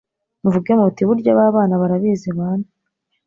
Muvuge muti burya ba bana barabizi baana